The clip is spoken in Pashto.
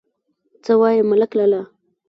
_څه وايي ملک لالا!